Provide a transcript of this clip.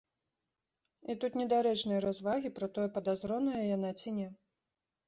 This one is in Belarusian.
І тут недарэчныя развагі пра тое, падазроная яна ці не.